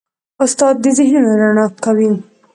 استاد د ذهنونو رڼا کوي.